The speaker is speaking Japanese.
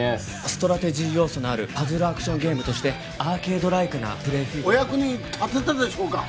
ストラテジー要素のあるパズルアクションゲームとしてアーケードライクなお役に立てたでしょうか？